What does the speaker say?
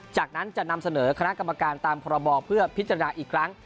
จากนั้นจะนำเสนอคณะกรรมการตามพรบเพื่อพิจารณาอีกครั้ง